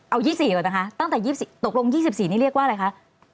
เอา๒๔ก่อนนะคะตั้งแต่๒๔ตกลง๒๔นี่เรียกว่าอะไรคะ